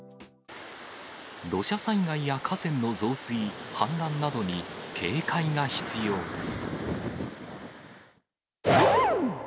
土砂災害や河川の増水、氾濫などに警戒が必要です。